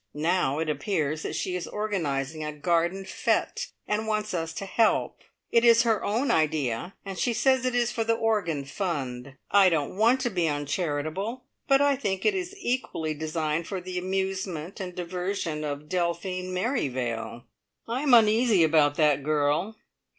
Now it appears that she is organising a garden fete and wants us to help. It is her own idea, and she says it is for the organ fund. I don't want to be uncharitable, but I think it is equally designed for the amusement and diversion of Delphine Merrivale! I am uneasy about that girl.